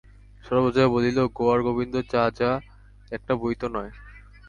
সর্বজয়া বলিল, গোঁয়ার গোবিন্দ চাযা একটা বই তো নয়!